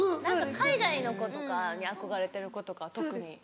海外の子とかに憧れてる子とか特に。